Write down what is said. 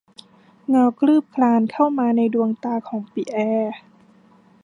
เงาคลืบคลานเข้ามาในดวงตาของปิแอร์